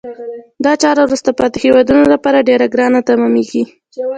دا چاره وروسته پاتې هېوادونه لپاره ډیره ګرانه تمامیږي.